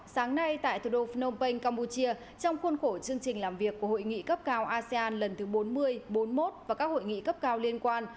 sáng nay tại thủ đô phnom penh campuchia trong khuôn khổ chương trình làm việc của hội nghị cấp cao asean lần thứ bốn mươi bốn mươi một và các hội nghị cấp cao liên quan